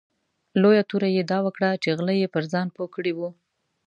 لویه توره یې دا وکړه چې غله یې پر ځان پوه کړي وو.